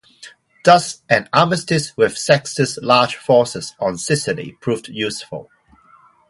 Thus an armistice with Sextus' large forces on Sicily proved useful.